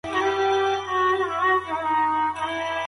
آیا تاسو کله د واليبال په یوه رسمي سیالۍ کې ګډون کړی دی؟